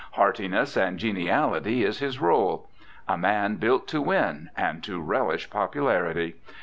Heartiness and geniality is his role. A man built to win and to relish popularity.